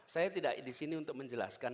saya tidak disini untuk menjelaskan